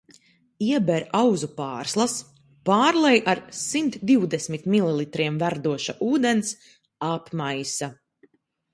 Ieber auzu pārslas, pārlej ar simt divdesmit mililitriem verdoša ūdens, apmaisa.